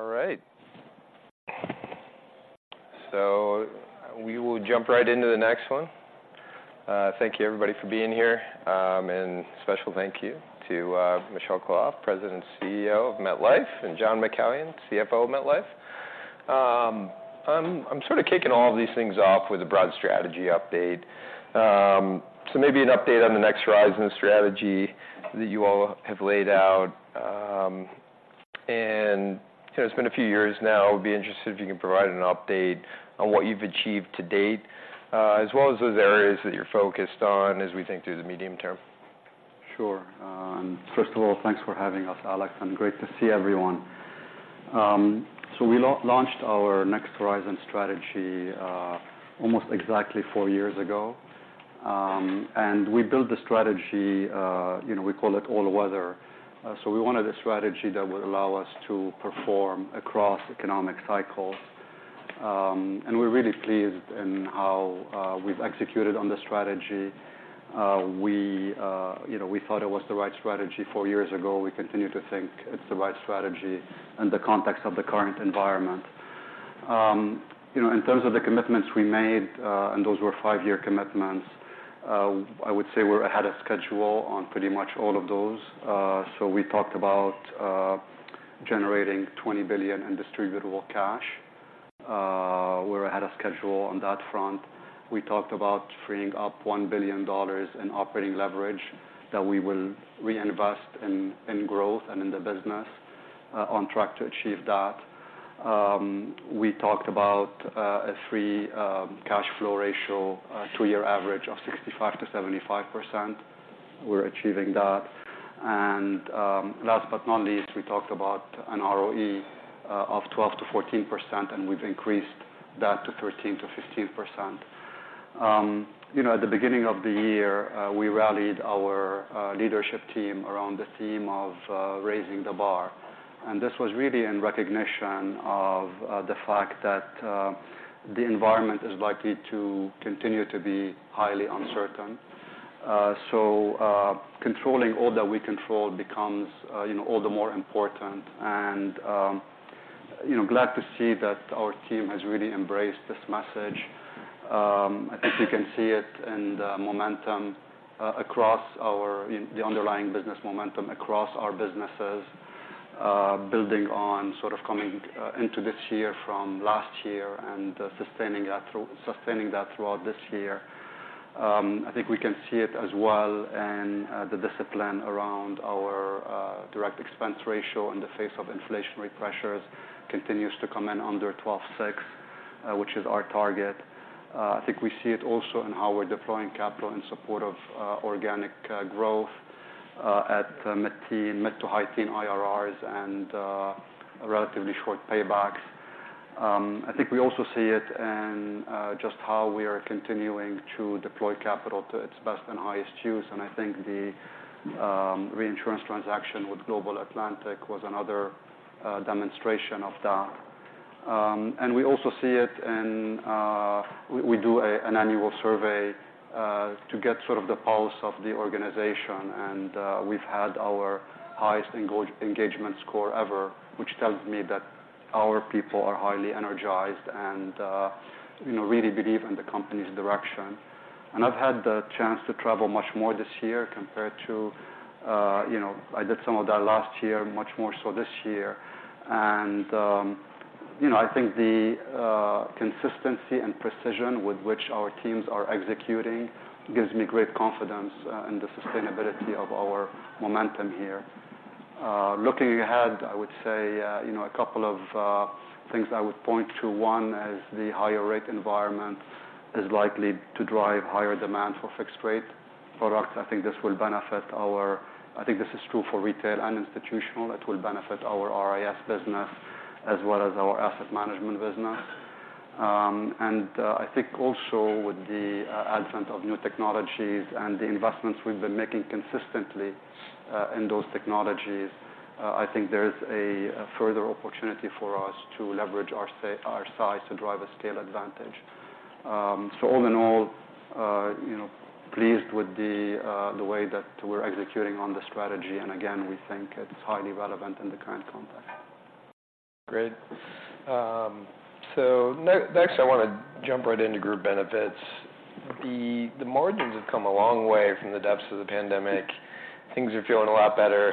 All right. So we will jump right into the next one. Thank you, everybody, for being here. And special thank you to Michel Khalaf, President and CEO of MetLife, and John McCallion, CFO of MetLife. I'm sort of kicking all of these things off with a broad strategy update. So maybe an update on the Next Horizon Strategy that you all have laid out. And, you know, it's been a few years now. I would be interested if you can provide an update on what you've achieved to date, as well as those areas that you're focused on as we think through the medium term. Sure. First of all, thanks for having us, Alex, and great to see everyone. So we launched our Next Horizon Strategy almost exactly four years ago. And we built the strategy, you know, we call it all weather. So we wanted a strategy that would allow us to perform across economic cycles. And we're really pleased in how we've executed on the strategy. We, you know, we thought it was the right strategy four years ago. We continue to think it's the right strategy in the context of the current environment. You know, in terms of the commitments we made, and those were five-year commitments, I would say we're ahead of schedule on pretty much all of those. So we talked about generating $20 billion in distributable cash. We're ahead of schedule on that front. We talked about freeing up $1 billion in operating leverage that we will reinvest in, in growth and in the business, on track to achieve that. We talked about a free cash flow ratio, a two-year average of 65%-75%. We're achieving that. And, last but not least, we talked about an ROE of 12%-14%, and we've increased that to 13%-15%. You know, at the beginning of the year, we rallied our leadership team around the theme of raising the bar, and this was really in recognition of the fact that the environment is likely to continue to be highly uncertain. So, controlling all that we control becomes, you know, all the more important and, you know, glad to see that our team has really embraced this message. I think you can see it in the underlying business momentum across our businesses, building on, sort of, coming into this year from last year and sustaining that throughout this year. I think we can see it as well in the discipline around our direct expense ratio in the face of inflationary pressures continues to come in under 12.6%, which is our target. I think we see it also in how we're deploying capital in support of organic growth at mid-teen to high-teen IRRs and a relatively short payback. I think we also see it in just how we are continuing to deploy capital to its best and highest use, and I think the reinsurance transaction with Global Atlantic was another demonstration of that. And we also see it in... We do an annual survey to get sort of the pulse of the organization, and we've had our highest engagement score ever, which tells me that our people are highly energized and you know, really believe in the company's direction. And I've had the chance to travel much more this year compared to, you know, I did some of that last year, much more so this year. And you know, I think the consistency and precision with which our teams are executing gives me great confidence in the sustainability of our momentum here. Looking ahead, I would say, you know, a couple of things I would point to, one, as the higher rate environment is likely to drive higher demand for fixed rate products. I think this will benefit—I think this is true for retail and institutional. It will benefit our RIS business as well as our asset management business. And I think also with the advent of new technologies and the investments we've been making consistently in those technologies, I think there is a further opportunity for us to leverage our size to drive a scale advantage. So all in all, you know, pleased with the way that we're executing on the strategy, and again, we think it's highly relevant in the current context. Great. So next, I want to jump right into group benefits. The margins have come a long way from the depths of the pandemic. Things are feeling a lot better.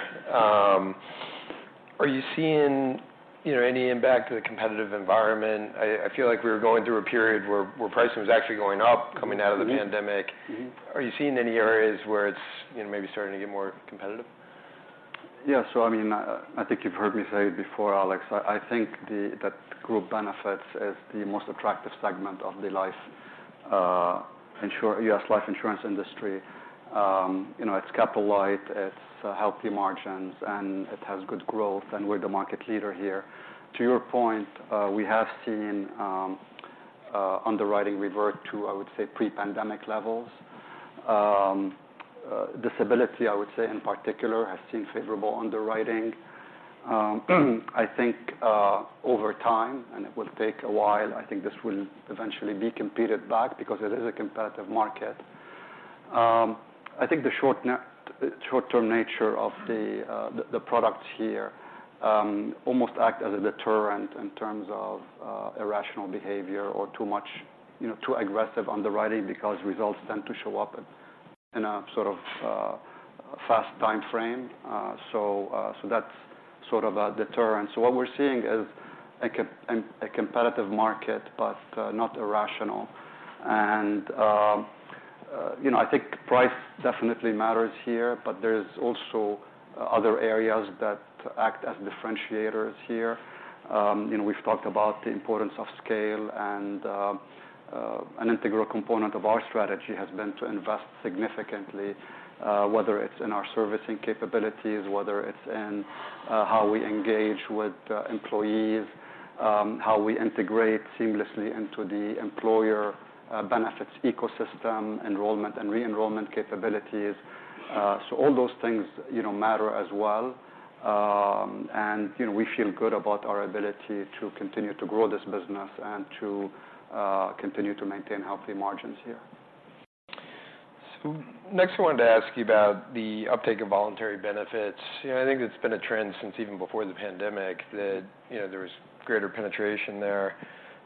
Are you seeing, you know, any impact to the competitive environment? I feel like we were going through a period where pricing was actually going up, coming out of the pandemic. Mm-hmm. Are you seeing any areas where it's, you know, maybe starting to get more competitive? Yeah. So I mean, I think you've heard me say it before, Alex, I think that group benefits is the most attractive segment of the life, U.S. life insurance industry. You know, it's capital light, it's healthy margins, and it has good growth, and we're the market leader here. To your point, we have seen underwriting revert to, I would say, pre-pandemic levels. Disability, I would say, in particular, has seen favorable underwriting. I think, over time, and it will take a while, I think this will eventually be competed back because it is a competitive market.... I think the short-term nature of the products here almost act as a deterrent in terms of irrational behavior or too much, you know, too aggressive underwriting, because results tend to show up in a sort of fast time frame. So that's sort of a deterrent. So what we're seeing is a competitive market, but not irrational. And you know, I think price definitely matters here, but there is also other areas that act as differentiators her. You know, we've talked about the importance of scale, and an integral component of our strategy has been to invest significantly, whether it's in our servicing capabilities, whether it's in how we engage with employees, how we integrate seamlessly into the employer benefits ecosystem, enrollment and re-enrollment capabilities. So all those things, you know, matter as well. And, you know, we feel good about our ability to continue to grow this business and to continue to maintain healthy margins here. So next, I wanted to ask you about the uptake of voluntary benefits. You know, I think it's been a trend since even before the pandemic that you know there was greater penetration there.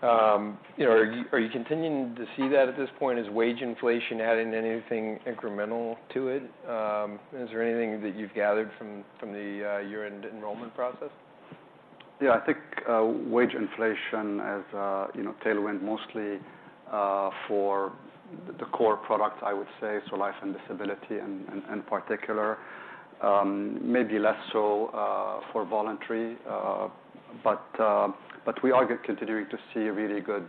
You know, are you continuing to see that at this point? Is wage inflation adding anything incremental to it? Is there anything that you've gathered from the year-end enrollment process? Yeah, I think wage inflation is a, you know, tailwind mostly for the core product, I would say, so life and disability in particular, maybe less so for voluntary. But we are continuing to see really good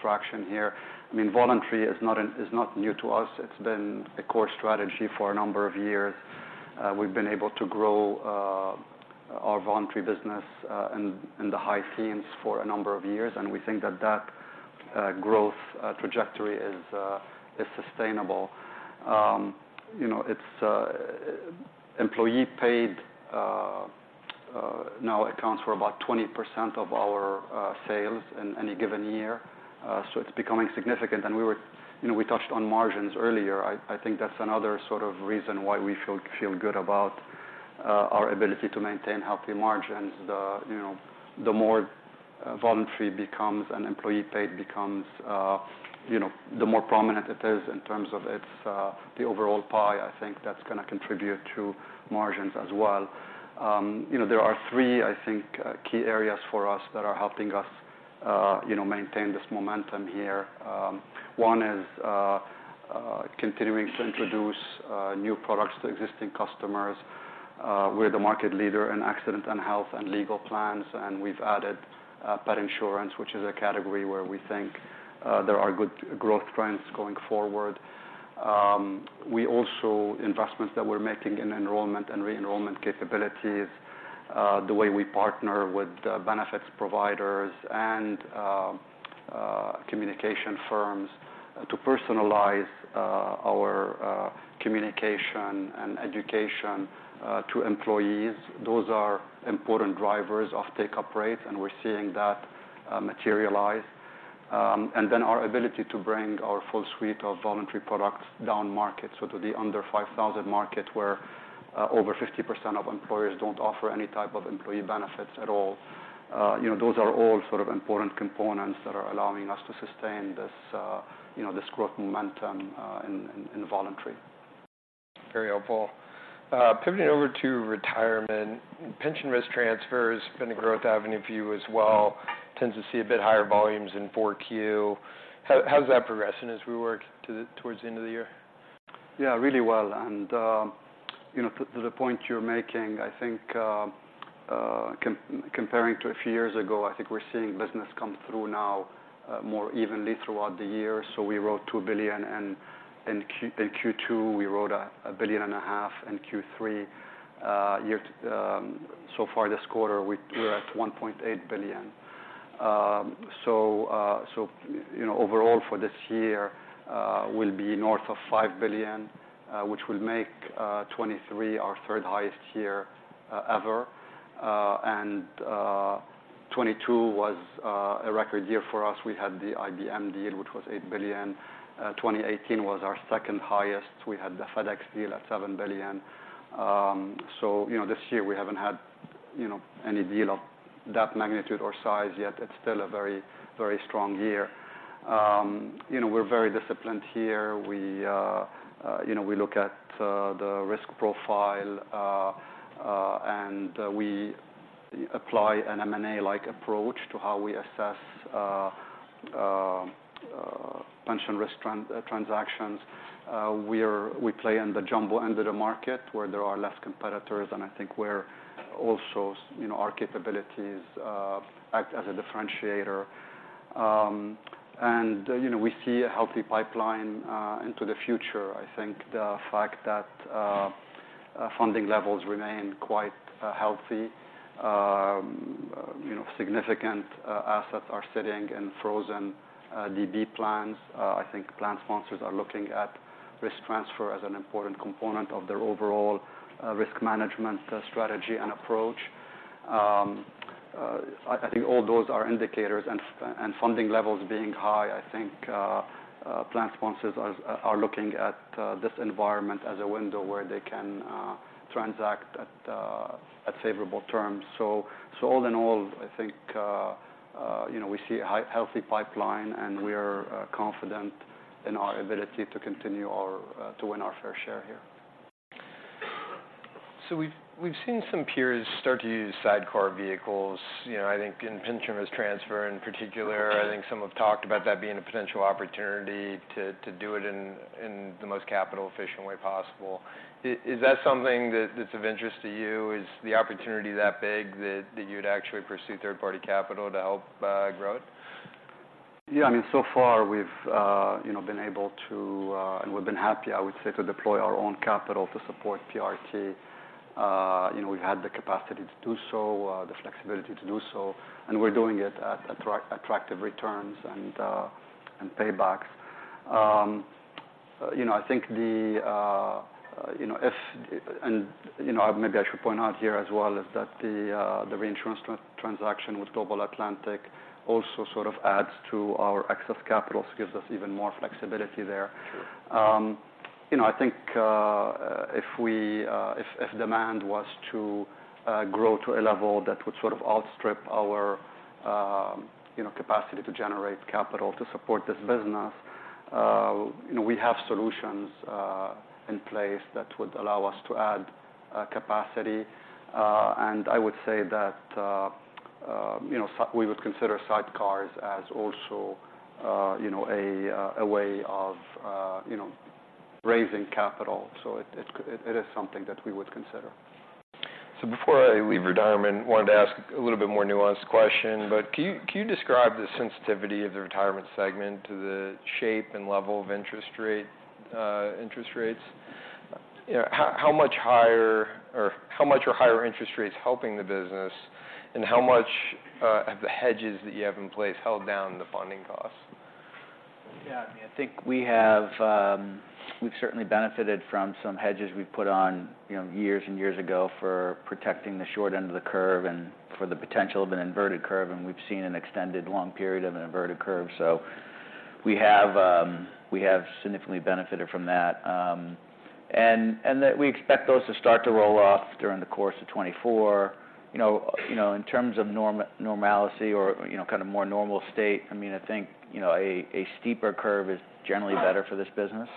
traction here. I mean, voluntary is not new to us. It's been a core strategy for a number of years. We've been able to grow our voluntary business in the high teens for a number of years, and we think that growth trajectory is sustainable. You know, it's... Employee paid now accounts for about 20% of our sales in any given year, so it's becoming significant. And we were, you know, we touched on margins earlier. I think that's another sort of reason why we feel good about our ability to maintain healthy margins. You know, the more voluntary becomes an employee paid becomes, you know, the more prominent it is in terms of its the overall pie, I think that's going to contribute to margins as well. You know, there are three, I think, key areas for us that are helping us, you know, maintain this momentum here. One is continuing to introduce new products to existing customers. We're the market leader in accident and health and legal plans, and we've added pet insurance, which is a category where we think there are good growth trends going forward. We also investments that we're making in enrollment and re-enrollment capabilities, the way we partner with the benefits providers and communication firms to personalize our communication and education to employees, those are important drivers of take-up rates, and we're seeing that materialize. And then our ability to bring our full suite of voluntary products down market, so to the under 5,000 market, where over 50% of employers don't offer any type of employee benefits at all. You know, those are all sort of important components that are allowing us to sustain this, you know, this growth momentum in voluntary. Very helpful. Pivoting over to retirement, pension risk transfer has been a growth avenue for you as well, tends to see a bit higher volumes in Q4. How is that progressing as we work towards the end of the year? Yeah, really well. And, you know, to the point you're making, I think, comparing to a few years ago, I think we're seeing business come through now, more evenly throughout the year. So we wrote $2 billion in Q2, we wrote $1.5 billion in Q3. Year-to-date, so far this quarter, we're at $1.8 billion. So, you know, overall for this year, will be north of $5 billion, which will make 2023 our third highest year ever. And 2022 was a record year for us. We had the IBM deal, which was $8 billion. 2018 was our second highest. We had the FedEx deal at $7 billion. So, you know, this year we haven't had, you know, any deal of that magnitude or size yet. It's still a very, very strong year. You know, we're very disciplined here. We, you know, we look at the risk profile, and we apply an M&A-like approach to how we assess pension risk transactions. We play in the jumbo end of the market, where there are less competitors, and I think where also, you know, our capabilities act as a differentiator. And, you know, we see a healthy pipeline into the future. I think the fact that funding levels remain quite healthy, you know, significant assets are sitting in frozen DB plans. I think plan sponsors are looking at risk transfer as an important component of their overall risk management strategy and approach. I think all those are indicators, and funding levels being high, I think plan sponsors are looking at this environment as a window, where they can transact at favorable terms. So all in all, I think, you know, we see a healthy pipeline, and we are confident in our ability to continue to win our fair share here. So we've, we've seen some peers start to use sidecar vehicles. You know, I think in pension risk transfer, in particular, I think some have talked about that being a potential opportunity to, to do it in, in the most capital-efficient way possible. Is that something that, that's of interest to you? Is the opportunity that big that, that you'd actually pursue third-party capital to help grow it? Yeah, I mean, so far we've, you know, been able to... and we've been happy, I would say, to deploy our own capital to support PRT. You know, we've had the capacity to do so, the flexibility to do so, and we're doing it at attractive returns and, and paybacks. You know, I think the, you know, and, you know, maybe I should point out here as well, is that the, the reinsurance transaction with Global Atlantic also sort of adds to our excess capital. So it gives us even more flexibility there. Sure. You know, I think, if we, if demand was to grow to a level that would sort of outstrip our, you know, capacity to generate capital to support this business, you know, we have solutions in place that would allow us to add capacity. And I would say that, you know, we would consider sidecars as also, you know, a way of raising capital, so it is something that we would consider. Before I leave retirement, I wanted to ask a little bit more nuanced question. Can you, can you describe the sensitivity of the retirement segment to the shape and level of interest rate, interest rates? You know, how, how much higher or how much are higher interest rates helping the business? And how much, have the hedges that you have in place held down the funding costs? Yeah, I mean, I think we have, we've certainly benefited from some hedges we've put on, you know, years and years ago for protecting the short end of the curve and for the potential of an inverted curve, and we've seen an extended long period of an inverted curve. So we have, we have significantly benefited from that. And that we expect those to start to roll off during the course of 2024. You know, you know, in terms of normalcy or, you know, kind of more normal state, I mean, I think, you know, a steeper curve is generally better for this business.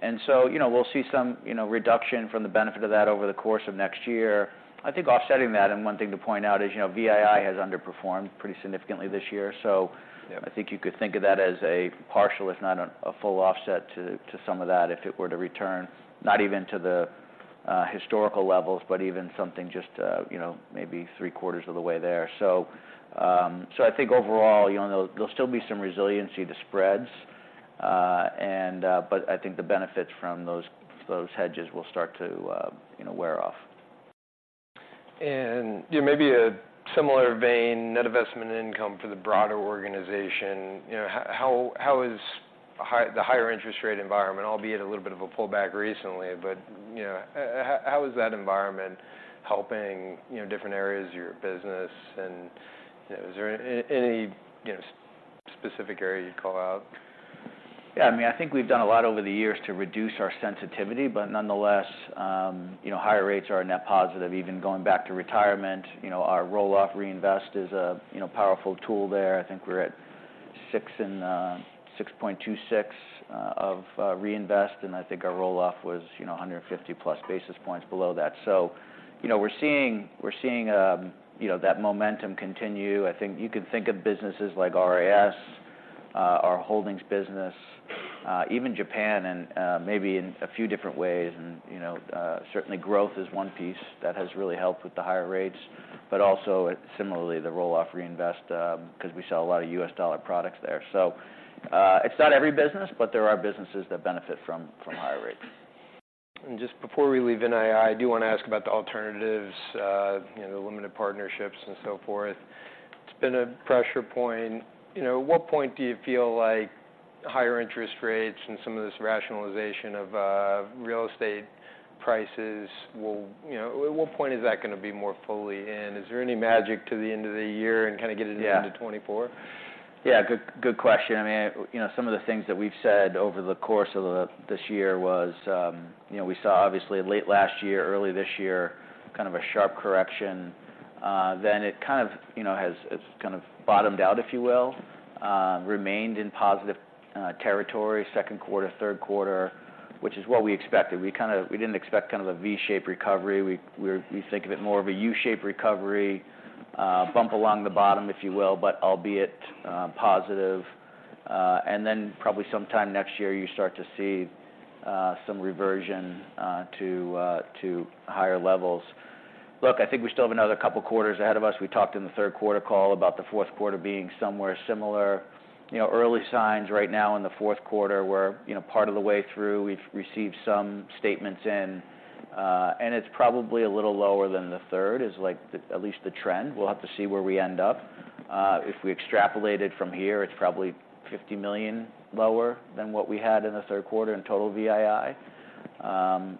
And so, you know, we'll see some, you know, reduction from the benefit of that over the course of next year. I think offsetting that, and one thing to point out is, you know, VII has underperformed pretty significantly this year. So- Yeah... I think you could think of that as a partial, if not a full offset to some of that, if it were to return, not even to the historical levels, but even something just, you know, maybe 34 of the way there. So, I think overall, you know, there'll still be some resiliency to spreads, and, but I think the benefits from those hedges will start to, you know, wear off. Yeah, maybe a similar vein, net investment income for the broader organization. You know, how is the higher interest rate environment, albeit a little bit of a pullback recently, but, you know, how is that environment helping, you know, different areas of your business? You know, is there any, you know, specific area you'd call out? Yeah, I mean, I think we've done a lot over the years to reduce our sensitivity, but nonetheless, you know, higher rates are a net positive. Even going back to retirement, you know, our roll-off reinvest is a, you know, powerful tool there. I think we're at 6% and 6.26% of reinvest, and I think our roll-off was, you know, 150+ basis points below that. So, you know, we're seeing, we're seeing, you know, that momentum continue. I think you could think of businesses like RIS, our Holdings business, even Japan, and maybe in a few different ways. And, you know, certainly growth is one piece that has really helped with the higher rates, but also similarly, the roll-off reinvest, because we sell a lot of U.S. dollar products there. It's not every business, but there are businesses that benefit from higher rates. Just before we leave NII, I do want to ask about the alternatives, you know, the limited partnerships and so forth. It's been a pressure point. You know, at what point do you feel like higher interest rates and some of this rationalization of real estate prices will you know, at what point is that going to be more fully in? Is there any magic to the end of the year and kind of get it into 2024? Yeah. Good, good question. I mean, you know, some of the things that we've said over the course of the, this year was, you know, we saw obviously late last year, early this year, kind of a sharp correction. Then it kind of, you know, it's kind of bottomed out, if you will. Remained in positive territory, second quarter, third quarter, which is what we expected. We didn't expect kind of a V-shaped recovery. We're we think of it more of a U-shaped recovery, bump along the bottom, if you will, but albeit positive. And then probably sometime next year, you start to see some reversion to higher levels. Look, I think we still have another couple quarters ahead of us. We talked in the third quarter call about the fourth quarter being somewhere similar. You know, early signs right now in the fourth quarter, we're, you know, part of the way through. We've received some statements in, and it's probably a little lower than the third, like at least the trend. We'll have to see where we end up. If we extrapolate it from here, it's probably $50 million lower than what we had in the third quarter in total VII,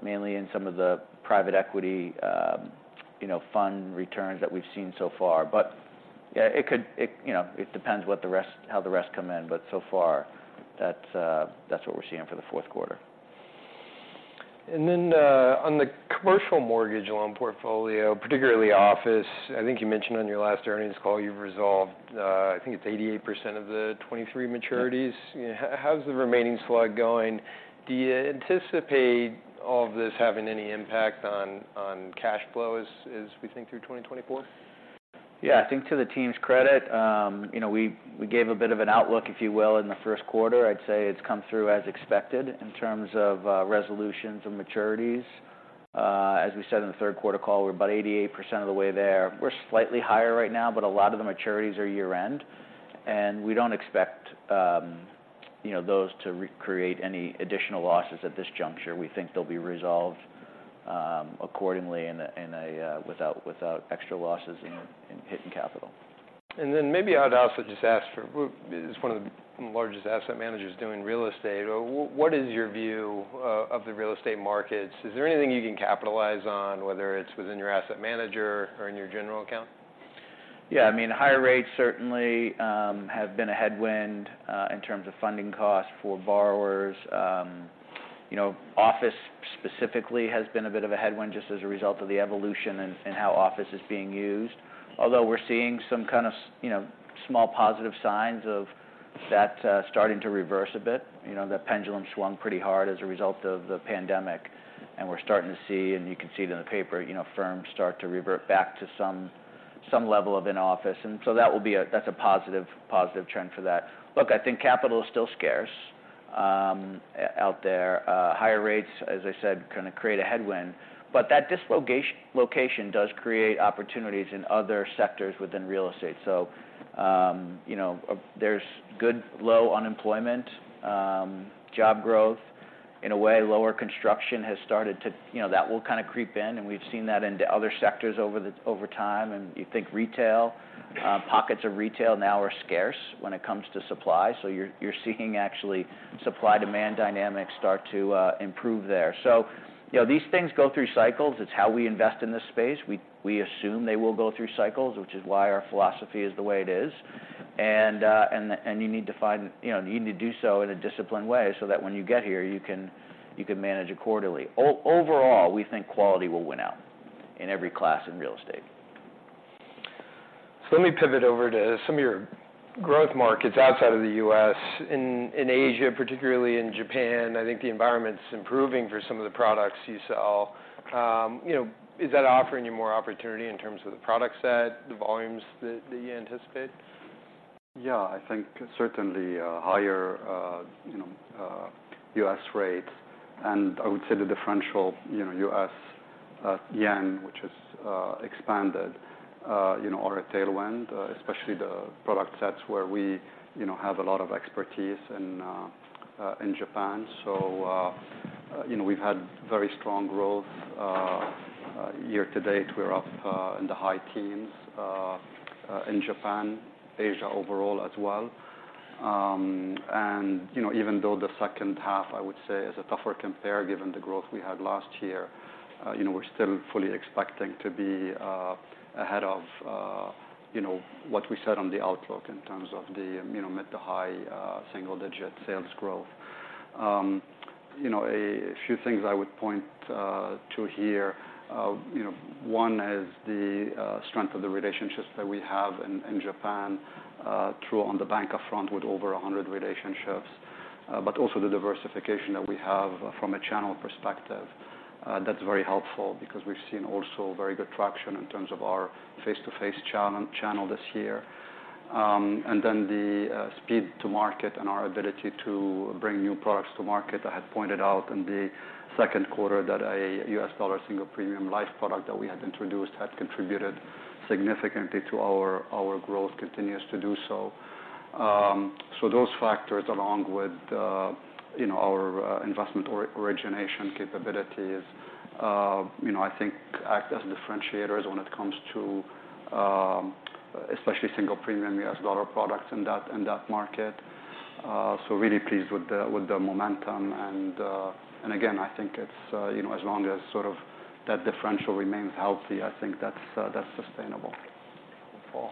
mainly in some of the private equity, you know, fund returns that we've seen so far. But, yeah, it could, you know, it depends how the rest come in. But so far, that's what we're seeing for the fourth quarter. On the commercial mortgage loan portfolio, particularly office, I think you mentioned on your last earnings call, you've resolved, I think it's 88% of the 23 maturities. Yeah. How's the remaining slug going? Do you anticipate all of this having any impact on, on cash flow as, as we think through 2024? Yeah. I think to the team's credit, you know, we gave a bit of an outlook, if you will, in the first quarter. I'd say it's come through as expected in terms of resolutions and maturities. As we said in the third quarter call, we're about 88% of the way there. We're slightly higher right now, but a lot of the maturities are year-end. We don't expect, you know, those to re-create any additional losses at this juncture. We think they'll be resolved accordingly in a without extra losses in hitting capital. And then maybe I'd also just ask for, as one of the largest asset managers doing real estate, what is your view of the real estate markets? Is there anything you can capitalize on, whether it's within your asset manager or in your general account? Yeah, I mean, higher rates certainly have been a headwind in terms of funding costs for borrowers. You know, office, specifically, has been a bit of a headwind, just as a result of the evolution and how office is being used. Although, we're seeing some kind of, you know, small positive signs of that starting to reverse a bit. You know, the pendulum swung pretty hard as a result of the pandemic, and we're starting to see, and you can see it in the paper, you know, firms start to revert back to some level of in-office. And so that will be a-- that's a positive trend for that. Look, I think capital is still scarce out there. Higher rates, as I said, kind of create a headwind. But that dislocation does create opportunities in other sectors within real estate. So, you know, there's good low unemployment, job growth. In a way, lower construction has started to... You know, that will kind of creep in, and we've seen that in the other sectors over time. And you think retail, pockets of retail now are scarce when it comes to supply, so you're seeing actually supply-demand dynamics start to improve there. So, you know, these things go through cycles. It's how we invest in this space. We assume they will go through cycles, which is why our philosophy is the way it is. And you need to find, you know, you need to do so in a disciplined way, so that when you get here, you can manage it quarterly. Overall, we think quality will win out in every class in real estate. So let me pivot over to some of your growth markets outside of the U.S. In Asia, particularly in Japan, I think the environment's improving for some of the products you sell. You know, is that offering you more opportunity in terms of the product set, the volumes that you anticipate? Yeah, I think certainly, higher, you know, U.S. rates, and I would say the differential, you know, U.S., yen, which has expanded, you know, are a tailwind, especially the product sets where we, you know, have a lot of expertise in, in Japan. So, you know, we've had very strong growth. Year-to-date, we're up, in the high teens, in Japan, Asia overall as well. And, you know, even though the second half, I would say, is a tougher compare, given the growth we had last year, you know, we're still fully expecting to be, ahead of, you know, what we said on the outlook in terms of the, you know, mid to high, single-digit sales growth. You know, a few things I would point to here, you know, one is the strength of the relationships that we have in Japan through on the bancassurance front, with over 100 relationships, but also the diversification that we have from a channel perspective. That's very helpful because we've seen also very good traction in terms of our face-to-face channel this year. And then the speed to market and our ability to bring new products to market. I had pointed out in the second quarter that a U.S. dollar single premium life product that we had introduced had contributed significantly to our growth, continues to do so. So those factors, along with, you know, our investment origination capabilities, you know, I think act as differentiators when it comes to, especially single-premium U.S. dollar products in that market. So really pleased with the momentum. And again, I think it's, you know, as long as sort of that differential remains healthy, I think that's sustainable. Cool.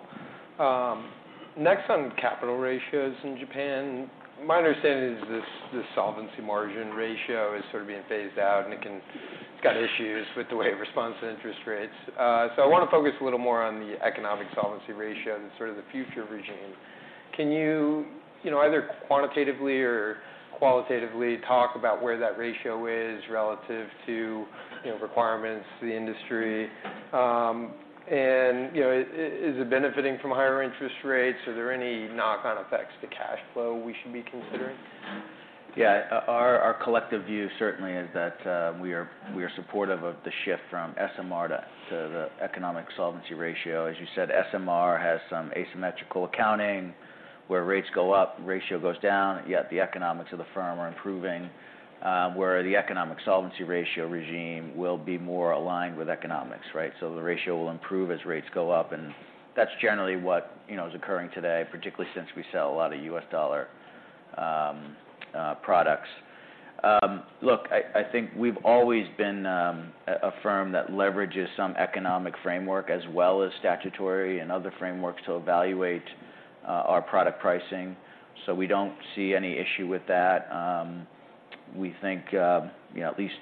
Next, on capital ratios in Japan, my understanding is this, this Solvency Margin Ratio is sort of being phased out, and it can—it's got issues with the way it responds to interest rates. So I want to focus a little more on the Economic Solvency Ratio and sort of the future regime. Can you, you know, either quantitatively or qualitatively talk about where that ratio is relative to, you know, requirements to the industry? And, you know, is it benefiting from higher interest rates? Are there any knock-on effects to cash flow we should be considering? Yeah. Our collective view certainly is that we are supportive of the shift from SMR to the Economic Solvency Ratio. As you said, SMR has some asymmetrical accounting, where rates go up, ratio goes down, yet the economics of the firm are improving. Where the Economic Solvency Ratio regime will be more aligned with economics, right? So the ratio will improve as rates go up, and that's generally what, you know, is occurring today, particularly since we sell a lot of U.S. dollar products. Look, I think we've always been a firm that leverages some economic framework as well as statutory and other frameworks to evaluate our product pricing, so we don't see any issue with that. We think, you know, at least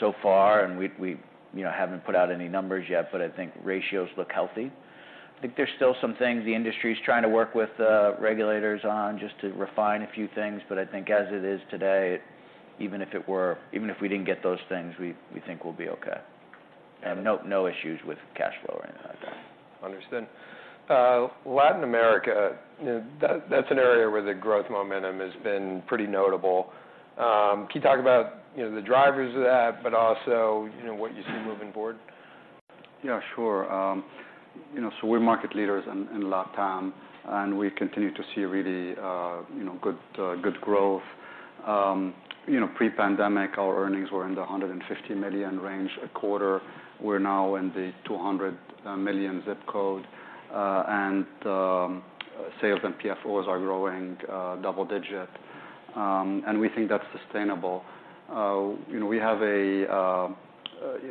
so far, and we haven't put out any numbers yet, but I think ratios look healthy. I think there's still some things the industry is trying to work with regulators on, just to refine a few things. But I think as it is today, even if it were even if we didn't get those things, we think we'll be okay. And no issues with cash flow right now, I don'.. Understood. Latin America, you know, that's an area where the growth momentum has been pretty notable. Can you talk about, you know, the drivers of that, but also, you know, what you see moving forward? Yeah, sure. You know, so we're market leaders in LatAm, and we continue to see really, you know, good growth. You know, pre-pandemic, our earnings were in the $150 million range a quarter. We're now in the $200 million zip code, and sales and PFOs are growing double digit. And we think that's sustainable. You know, we have a...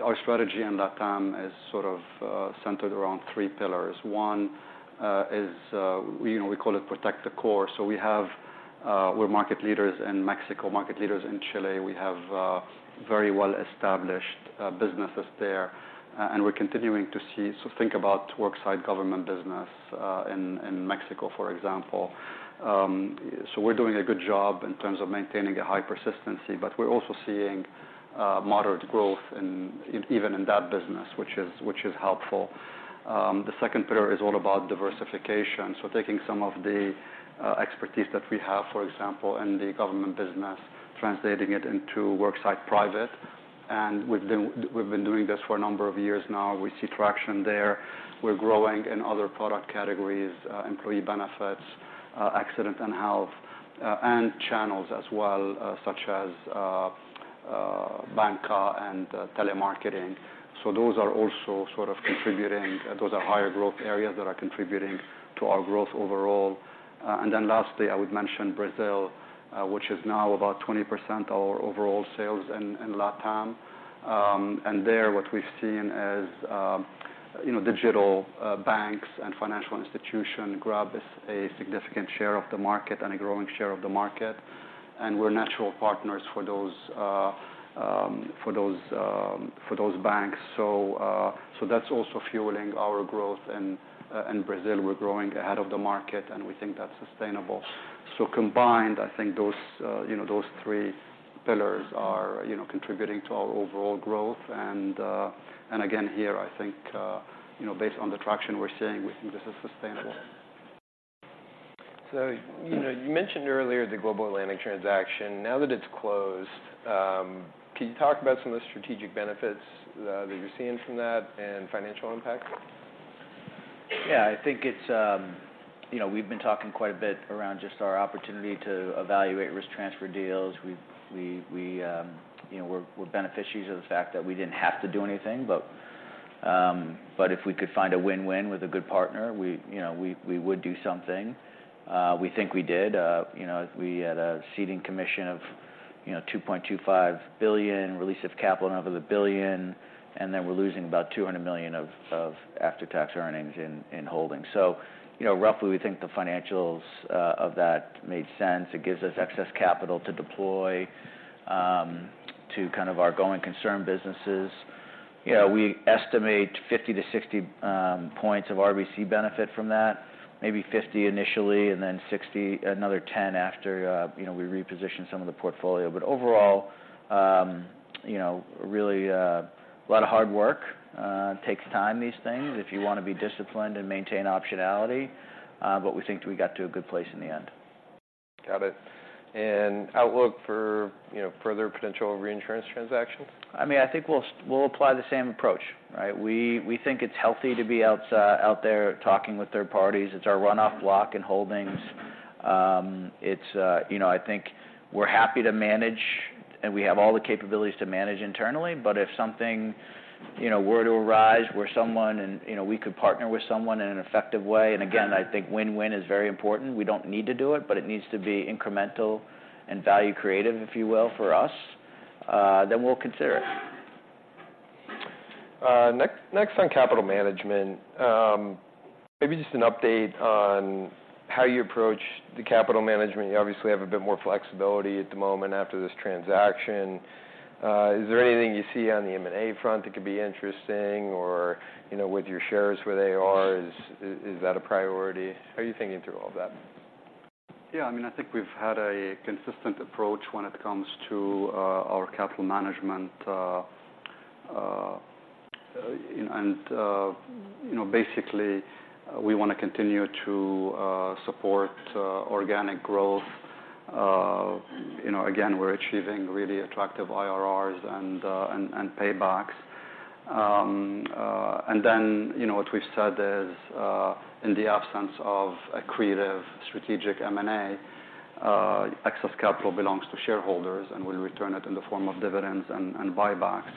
Our strategy in LatAm is sort of centered around three pillars. One is we, you know, we call it protect the core. So we have we're market leaders in Mexico, market leaders in Chile. We have very well-established businesses there, and we're continuing to see... So think about worksite government business in Mexico, for example. So we're doing a good job in terms of maintaining a high persistency, but we're also seeing moderate growth in even in that business, which is helpful. The second pillar is all about diversification. So taking some of the expertise that we have, for example, in the government business, translating it into worksite private, and we've been doing this for a number of years now. We see traction there. We're growing in other product categories, employee benefits, accident and health, and channels as well, such as banca and telemarketing. So those are also sort of contributing. Those are higher growth areas that are contributing to our growth overall. And then lastly, I would mention Brazil, which is now about 20% of our overall sales in LatAm. And there, what we've seen is, you know, digital banks and financial institutions grab a significant share of the market and a growing share of the market, and we're natural partners for those banks. So that's also fueling our growth in Brazil. We're growing ahead of the market, and we think that's sustainable. So combined, I think those, you know, those three pillars are, you know, contributing to our overall growth. And again, here, I think, you know, based on the traction we're seeing, we think this is sustainable. So, you know, you mentioned earlier the Global Atlantic transaction. Now that it's closed, can you talk about some of the strategic benefits that you're seeing from that and financial impact? Yeah, I think it's... You know, we've been talking quite a bit around just our opportunity to evaluate risk transfer deals. You know, we're beneficiaries of the fact that we didn't have to do anything, but if we could find a win-win with a good partner, you know, we would do something. We think we did. You know, we had a ceding commission of $2.25 billion, release of capital in over $1 billion, and then we're losing about $200 million of after-tax earnings in Holdings. So, you know, roughly, we think the financials of that made sense. It gives us excess capital to deploy to kind of our going concern businesses. You know, we estimate 50-60 points of RBC benefit from that. Maybe 50 initially, and then 60, another 10 after, you know, we reposition some of the portfolio. But overall, you know, really, a lot of hard work. It takes time, these things, if you want to be disciplined and maintain optionality, but we think we got to a good place in the end. Got it. Outlook for, you know, further potential reinsurance transactions? I mean, I think we'll apply the same approach, right? We think it's healthy to be out there talking with third parties. It's our runoff block and holdings. You know, I think we're happy to manage, and we have all the capabilities to manage internally, but if something were to arise where someone and we could partner with someone in an effective way, and again, I think win-win is very important. We don't need to do it, but it needs to be incremental and value creative, if you will, for us, then we'll consider it. Next, on capital management, maybe just an update on how you approach the capital management. You obviously have a bit more flexibility at the moment after this transaction. Is there anything you see on the M&A front that could be interesting or, you know, with your shares where they are, is that a priority? How are you thinking through all that? Yeah, I mean, I think we've had a consistent approach when it comes to our capital management, and you know, basically, we want to continue to support organic growth. You know, again, we're achieving really attractive IRRs and paybacks. And then, you know, what we've said is, in the absence of accretive strategic M&A, excess capital belongs to shareholders, and we return it in the form of dividends and buybacks.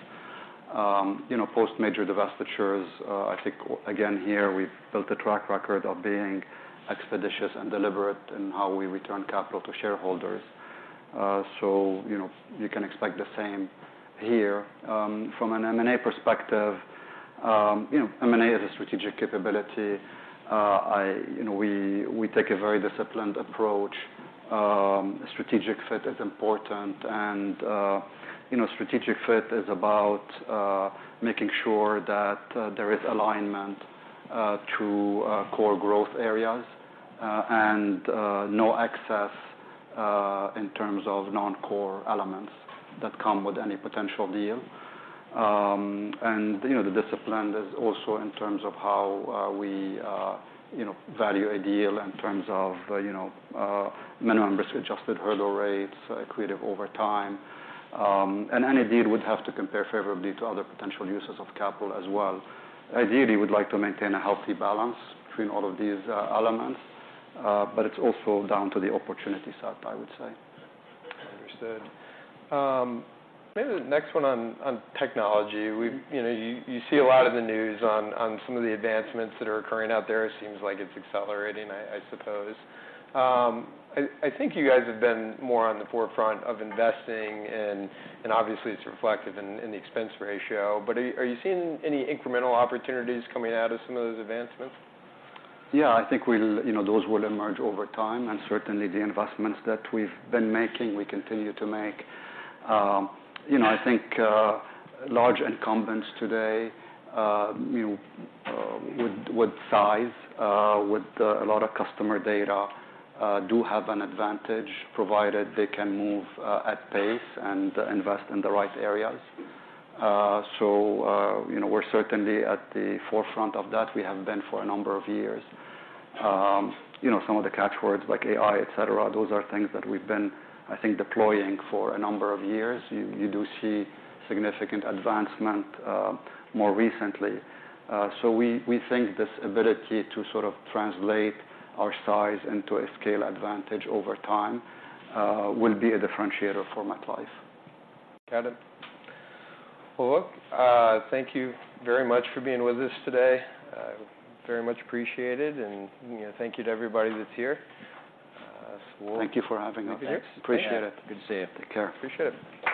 You know, post major divestitures, I think, again, here, we've built a track record of being expeditious and deliberate in how we return capital to shareholders. So, you know, you can expect the same here. From an M&A perspective, you know, M&A is a strategic capability. You know, we take a very disciplined approach. Strategic fit is important, and, you know, strategic fit is about making sure that there is alignment to core growth areas, and no access in terms of non-core elements that come with any potential deal. And, you know, the discipline is also in terms of how we you know value a deal in terms of you know minimum risk-adjusted hurdle rates, accretive over time. And any deal would have to compare favorably to other potential uses of capital as well. Ideally, we'd like to maintain a healthy balance between all of these elements, but it's also down to the opportunity set, I would say. Understood. Maybe the next one on technology. We-- you know, you see a lot of the news on some of the advancements that are occurring out there. It seems like it's accelerating, I suppose. I think you guys have been more on the forefront of investing, and obviously it's reflective in the expense ratio, but are you seeing any incremental opportunities coming out of some of those advancements? Yeah, I think we'll... You know, those will emerge over time, and certainly the investments that we've been making, we continue to make. You know, I think large incumbents today with size with a lot of customer data do have an advantage, provided they can move at pace and invest in the right areas. So, you know, we're certainly at the forefront of that. We have been for a number of years. You know, some of the catchwords like AI, et cetera, those are things that we've been, I think, deploying for a number of years. You do see significant advancement more recently. So we, we think this ability to sort of translate our size into a scale advantage over time will be a differentiator for MetLife. Got it. Well, look, thank you very much for being with us today. Very much appreciated, and, you know, thank you to everybody that's here. So- Thank you for having us. Appreciate it. Good to see you. Take care. Appreciate it.